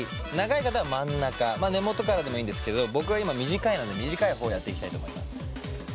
長い方は真ん中根元からでもいいんですけど僕は今短いので短い方をやっていきたいと思います。